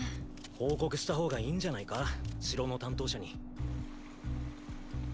報告した方がいいんじゃないか城の担当者に。